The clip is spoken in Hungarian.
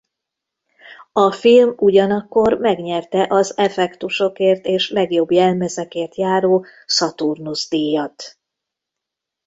A film ugyanakkor megnyerte az effektusokért és legjobb jelmezekért járó Szaturnusz-díjat.